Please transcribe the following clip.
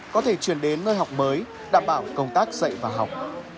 có thể chuyển đến nơi học mới đảm bảo công tác dạy và học